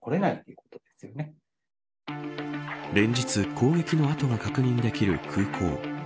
連日攻撃の痕が確認できる空港。